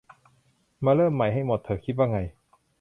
มาเริ่มใหม่ให้หมดเถอะ คิดว่าไง